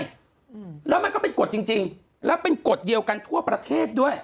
อืมแล้วมันก็เป็นกฎจริงจริงแล้วเป็นกฎเดียวกันทั่วประเทศด้วย